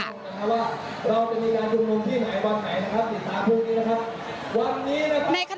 ว่าเราจะมีการทุ่มนมที่ไหนว่าไหนนะครับสินค้าพรุ่งนี้นะครับ